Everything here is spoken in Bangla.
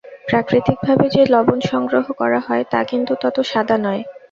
প্রাকৃতিকভাবে যে লবণ সংগ্রহ করা হয়, তা কিন্তু তত সাদা নয়।